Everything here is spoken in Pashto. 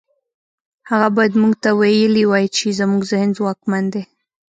هغه بايد موږ ته ويلي وای چې زموږ ذهن ځواکمن دی.